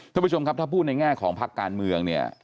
ท่านผู้ชมครับถ้าพูดในแง่ของพักการเมืองเนี่ย